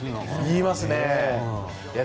言いますね。